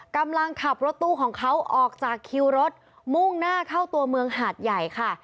กำลังขับรถตู้ของเขาออกจากคิวรถมุ่งหน้าเข้าตัวเมืองหาดใหญ่ค่ะ